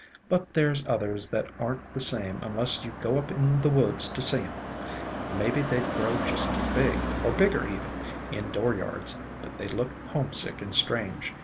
But there 's others that are n't the same unless you go up in the woods to see 'em. Mebbe they 'd grow just as big, or bigger even, in dooryards, but they look homesick and strange.